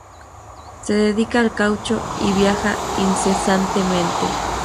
Se dedica al caucho y viaja incesantemente.